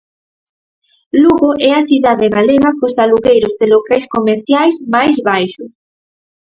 Lugo é a cidade galega cos alugueiros de locais comerciais máis baixos.